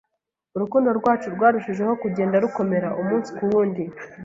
urukundo rwacu rwarushijeho kugenda rukomera umunsi ku wundi